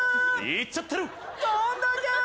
いっちゃってるー。